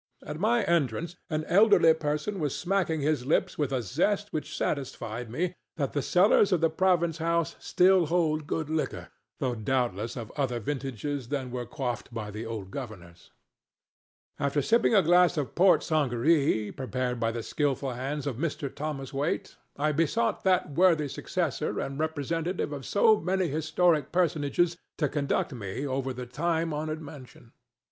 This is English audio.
At my entrance an elderly person was smacking his lips with a zest which satisfied me that the cellars of the Province House still hold good liquor, though doubtless of other vintages than were quaffed by the old governors. After sipping a glass of port sangaree prepared by the skilful hands of Mr. Thomas Waite, I besought that worthy successor and representative of so many historic personages to conduct me over their time honored mansion.